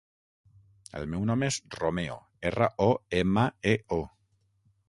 El meu nom és Romeo: erra, o, ema, e, o.